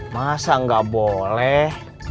masa gak boleh